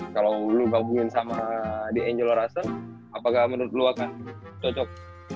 kalo lo gabungin sama di angelo russell apakah menurut lo akan cocok